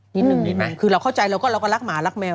นิดหนึ่งคือเราเข้าใจเราก็รักหมารักแมว